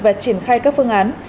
và triển khai các phương án